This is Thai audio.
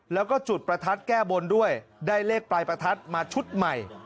แล้วก็จุดประทัดแก้บนด้วยได้เลขปลายประทัดมาชุดใหม่